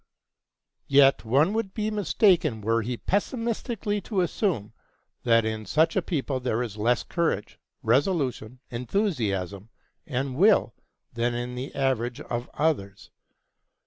Yet one would be mistaken were he pessimistically to assume that in such a people there is less courage, resolution, enthusiasm, and will than in the average of others.